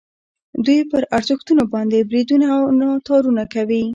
دوی پر ارزښتونو باندې بریدونه او ناتارونه کوي.